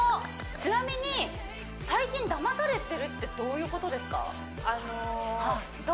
ちなみに最近だまされてるってどういうことですか？